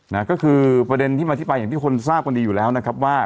นะฮะก็คือประเด็นที่มาที่ไปอย่างที่คนทราบกันดีอยู่แล้วนะครับว่า